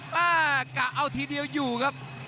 มากะเอาทีเดียวอยู่ครับ